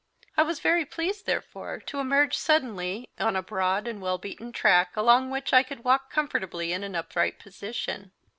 I was very pleased, therefore, to emerge suddenly on a broad and well beaten track along which I could walk comfortably in an upright position.